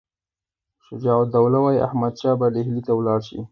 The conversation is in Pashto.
شجاع الدوله وایي احمدشاه به ډهلي ته ولاړ شي.